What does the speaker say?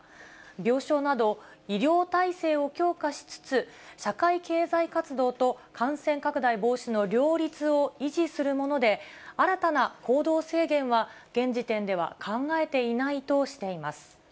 病床など医療体制を強化しつつ、社会経済活動と感染拡大防止の両立を維持するもので、新たな行動制限は現時点では考えていないとしています。